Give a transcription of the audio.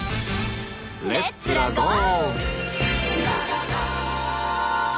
レッツラゴー！